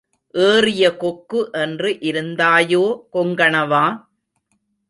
ஏறிய கொக்கு என்று இருந்தாயோ கொங்கணவா?